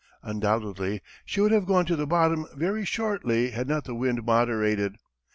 Undoubtedly she would have gone to the bottom very shortly had not the wind moderated.